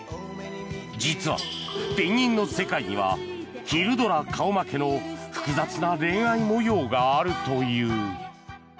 実は、ペンギンの世界には昼ドラ顔負けの複雑な恋愛模様があるという。